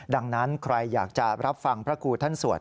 ดังนั้นใครอยากจะรับฟังพระครูท่านสวด